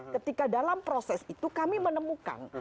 ketika dalam proses itu kami menemukan